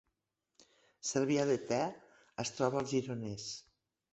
Cervià de Ter es troba al Gironès